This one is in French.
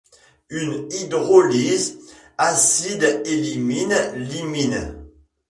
Une hydrolyse acide élimine l'imine.